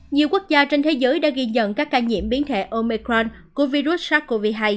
nhiều quốc gia trên thế giới đã ghi nhận các ca nhiễm biến thể omecran của virus sars cov hai